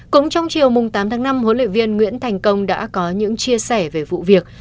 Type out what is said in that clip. cũng trong chiều tám tháng năm huấn luyện viên nguyễn thành công đã có những chia sẻ về vụ việc